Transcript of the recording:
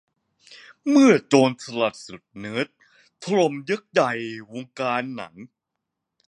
เมื่อโจรสลัดสุดเนิร์ด ถล่มยักษ์ใหญ่วงการหนัง